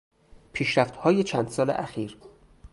پیشرفتهای چند سال اخیر